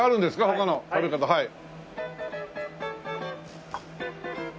他の食べ方はい。